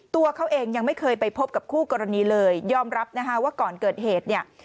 ตัวเขาเองยังไม่เคยไปพบกับคู่กรณีเลยยอมรับนะคะว่าก่อนเกิดเหตุเนี่ย